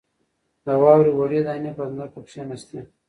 د واورې وړې دانې په ځمکه کښېناستې.